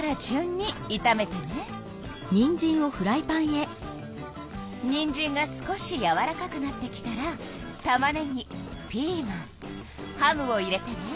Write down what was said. かたくてにんじんが少しやわらかくなってきたらたまねぎピーマンハムを入れてね。